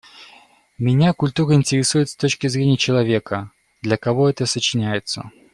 Меня культура интересует с точки зрения человека, для кого это сочиняется.